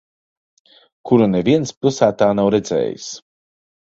Kuru neviens pilsētā nav redzējis.